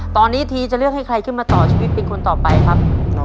ตอนนี้ทีจะเลือกให้ใครขึ้นมาต่อชีวิตเป็นคนต่อไปครับ